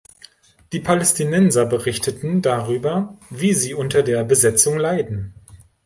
Die Palästinenser berichteten darüber, wie sie unter der Besetzung leiden.